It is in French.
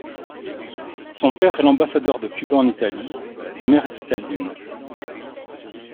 Son père est l'ambassadeur de Cuba en Italie, sa mère est italienne.